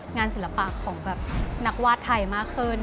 งานศิลปะของนักวาดไทยมากขึ้น